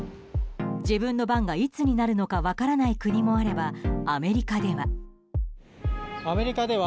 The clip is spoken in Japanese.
自分の番がいつになるか分からない国もあればアメリカでは。